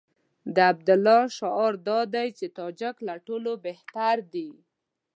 د عبدالله شعار دا دی چې تاجک له ټولو بهتر دي.